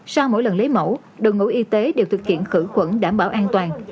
sau mỗi lần lấy mẫu đồng ngũ y tế đều thực hiện khử quẩn đảm bảo an toàn